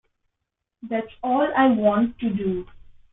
That's all I want to do.